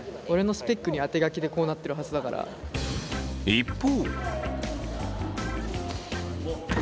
一方。